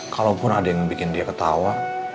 kalaupun ada yang bikin dia ketawa